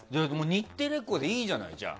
日テレっ子でいいじゃない？